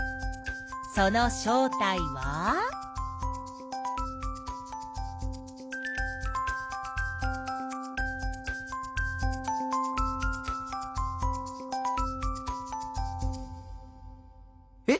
その正体は？え？